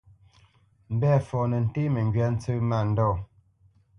Mbɛ̂fɔ nə́ ntéé məŋgywá ntsə́ mándɔ̂.